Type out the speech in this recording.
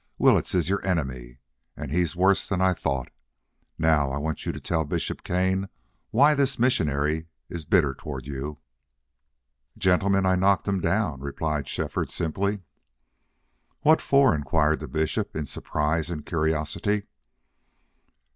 Willetts is your enemy. And he's worse than I thought. Now I want you to tell Bishop Kane why this missionary is bitter toward you." "Gentlemen, I knocked him down," replied Shefford, simply. "What for?" inquired the bishop, in surprise and curiosity.